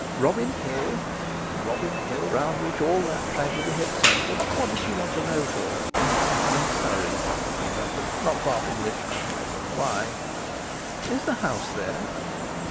Robin Hill! Robin Hill, round which all that tragedy had centred! What did she want to know for? "In Surrey," he muttered; "not far from Richmond. Why?" "Is the house there?"